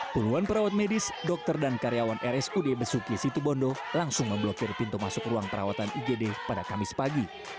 puluhan perawat medis dokter dan karyawan rsud besuki situbondo langsung memblokir pintu masuk ruang perawatan igd pada kamis pagi